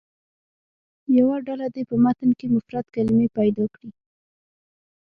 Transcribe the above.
یوه ډله دې په متن کې مفرد کلمې پیدا کړي.